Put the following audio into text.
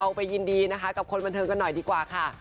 ไปยินดีนะคะกับคนบันเทิงกันหน่อยดีกว่าค่ะ